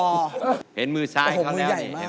โอโหมือใหญ่มาก